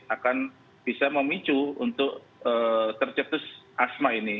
akan bisa memicu untuk tercetus asma ini